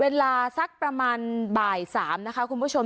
เวลาสักประมาณบ่าย๓นะคะคุณผู้ชม